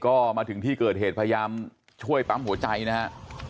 ก็มาถึงที่เกิดเหตุพยายามช่วยปั๊มหัวใจนะฮะ